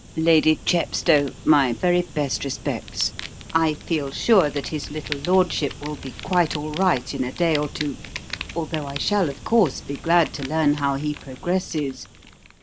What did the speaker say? Lady Chepstow, my very best respects. I feel sure that his little lordship will be quite all right in a day or two, although I shall, of course, be glad to learn how he progresses.